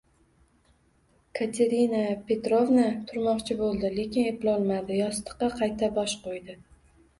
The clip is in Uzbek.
Katerina Petrovna turmoqchi boʻldi, lekin eplolmadi, yostiqqa qayta bosh qoʻydi.